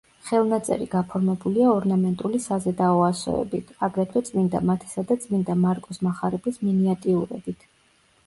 ხელნაწერი გაფორმებულია ორნამენტული საზედაო ასოებით, აგრეთვე წმინდა მათესა და წმინდა მარკოზ მახარებლის მინიატიურებით.